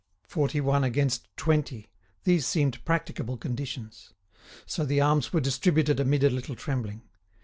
Forty one against twenty—these seemed practicable conditions. So the arms were distributed amid a little trembling.